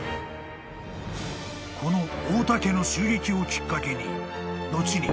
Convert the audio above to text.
［この太田家の襲撃をきっかけに後に］